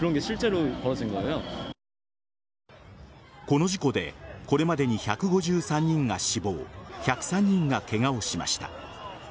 この事故でこれまでに１５３人が死亡１０３人がケガをしました。